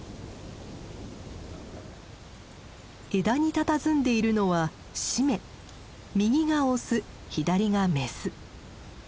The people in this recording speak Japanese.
枝にたたずんでいるのは右がオス左がメス。